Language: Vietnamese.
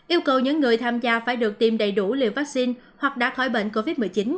yêu cầu những người tham gia phải được tiêm đầy đủ liều vaccine hoặc đã khỏi bệnh covid một mươi chín